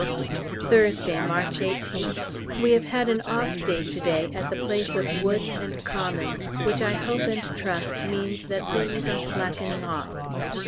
Thursday, March 18th. We have had an off day to day at the place of woods and commons, which I hope and trust means that things are slackening off.